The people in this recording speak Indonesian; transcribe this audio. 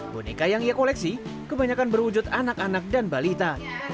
boneka yang ia koleksi kebanyakan berwujud anak anak dan balita